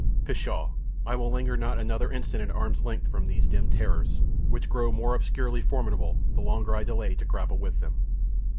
Pshaw! I will linger not another instant at arm's length from these dim terrors, which grow more obscurely formidable, the longer I delay to grapple with them.